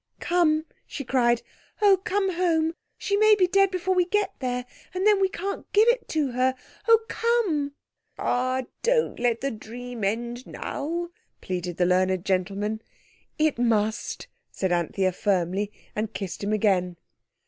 "Come!" she cried, "oh, come home! She may be dead before we get there, and then we can't give it to her. Oh, come!" "Ah, don't let the dream end now!" pleaded the learned gentleman. "It must," said Anthea firmly, and kissed him again.